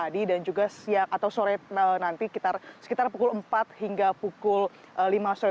dan juga siang atau sore nanti sekitar pukul empat hingga pukul lima sore